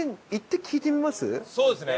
そうですね。